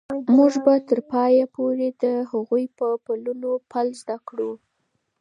موږ به تر پایه پورې د هغوی په پلونو پل ږدو.